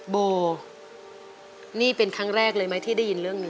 โบนี่เป็นครั้งแรกเลยไหมที่ได้ยินเรื่องนี้